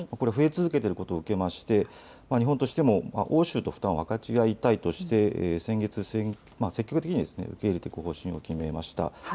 増え続けていることを受けまして日本としても欧州と負担を分かち合いたいとして先月末に積極的に受け入れていく方針を決めました。